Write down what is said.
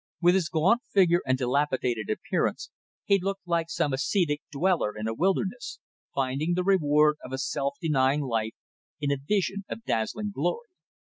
With his gaunt figure and dilapidated appearance he looked like some ascetic dweller in a wilderness, finding the reward of a self denying life in a vision of dazzling glory.